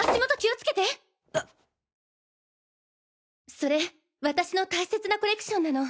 それ私の大切なコレクションなの。